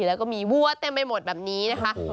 แล้วก็มีวัวเต็มไปหมดแบบนี้นะคะ